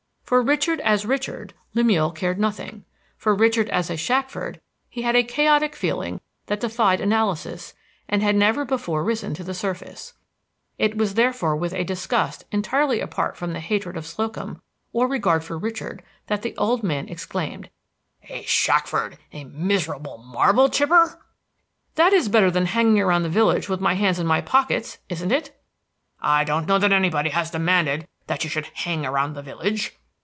For Richard as Richard Lemuel cared nothing; for Richard as a Shackford he had a chaotic feeling that defied analysis and had never before risen to the surface. It was therefore with a disgust entirely apart from the hatred of Slocum or regard for Richard that the old man exclaimed, "A Shackford a miserable marble chipper!" "That is better than hanging around the village with my hands in my pockets. Isn't it?" "I don't know that anybody has demanded that you should hang around the village."